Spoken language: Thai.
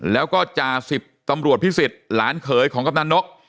แล้วก็จ่าสิบตำรวจพิสิทธิ์หลานเขยของกำนันนก